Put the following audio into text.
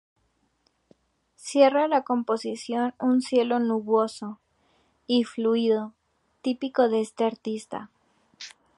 Cierra la composición un cielo nuboso y fluido, típico de este artista.